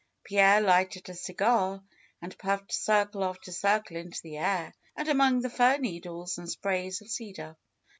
Pierre lighted a cigar, and puffed circle after circle into the air, and among the fir needles and sprays of cedar.